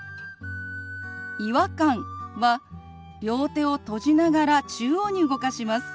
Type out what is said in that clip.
「違和感」は両手を閉じながら中央に動かします。